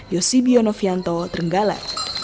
yosibio novianto tenggala